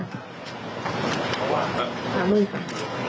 เอามือไป